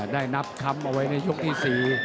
ได้นับช้ำเอาไว้ในยกที่๔